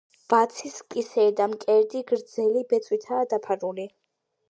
ვაცის კისერი და მკერდი გრძელი ბეწვითაა დაფარული.